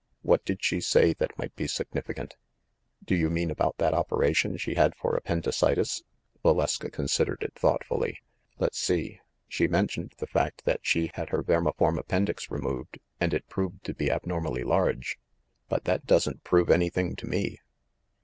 What did she say that might be signifi cant?" "Do you mean about that operation she had for ap pendicitis?" Valeska considered it thoughtfully. "Let's see. She mentioned the fact that she had her vermiform appendix removed, and it proved to be abnormally large. But that doesn't prove anything to me."